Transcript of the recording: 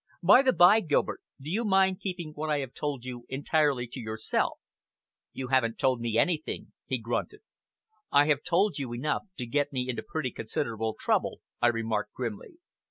By the bye, Gilbert, do you mind keeping what I have told you entirely to yourself?" "You haven't told me anything," he grunted. "I have told you enough to get me into pretty considerable trouble," I remarked grimly.